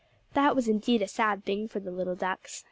That was indeed a sad thing for the little ducks.